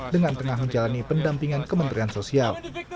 dengan tengah menjalani pendampingan kementerian sosial